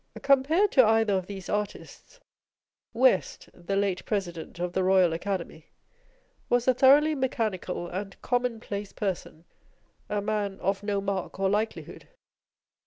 Compared to either of these artists, West (the late President of the Royal Academy) was a thoroughly mechanical and commonplace person â€" a man " of no mark or likelihood."